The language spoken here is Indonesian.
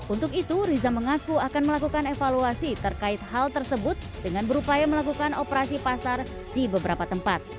untuk itu riza mengaku akan melakukan evaluasi terkait hal tersebut dengan berupaya melakukan operasi pasar di beberapa tempat